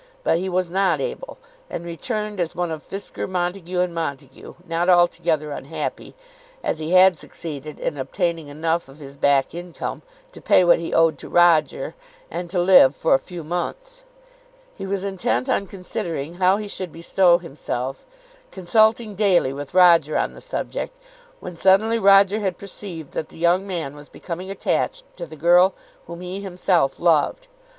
But he was not able, and returned as one of Fisker, Montague, and Montague, not altogether unhappy, as he had succeeded in obtaining enough of his back income to pay what he owed to Roger, and to live for a few months. He was intent on considering how he should bestow himself, consulting daily with Roger on the subject, when suddenly Roger had perceived that the young man was becoming attached to the girl whom he himself loved.